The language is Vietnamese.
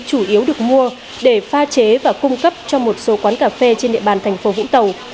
chủ yếu được mua để pha chế và cung cấp cho một số quán cà phê trên địa bàn thành phố vũng tàu